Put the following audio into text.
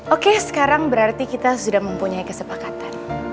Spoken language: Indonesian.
oke sekarang berarti kita sudah mempunyai kesepakatan